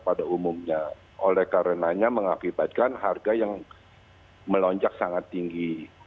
pada umumnya oleh karenanya mengakibatkan harga yang melonjak sangat tinggi